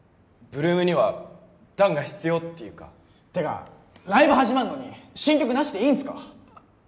ＬＯＯＭには弾が必要っていうかてかライブ始まんのに新曲なしでいいんすか！？